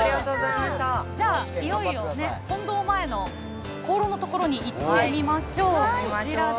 じゃあ、いよいよ本堂前の香炉のところに行ってみましょう。